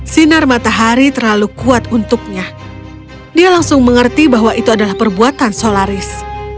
sinar matahari terlalu kuat untuknya dia langsung mengerti bahwa itu adalah perbuatan solaris